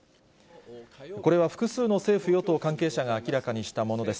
これは複数の政府・与党の関係者が明らかにしたものです。